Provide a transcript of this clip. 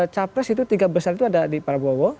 capres itu tiga besar itu ada di prabowo